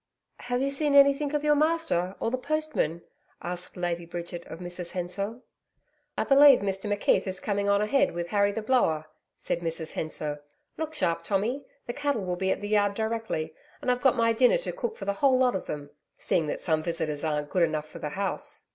'Have you seen anything of your master or the postman?' asked Lady Bridget of Mrs Hensor. 'I believe Mr McKeith is coming on ahead with Harry the Blower,' said Mrs Hensor. 'Look sharp, Tommy, the cattle will be at the yard directly, and I've got my dinner to cook for the whole lot of them, seeing that some visitors aren't good enough for the house.'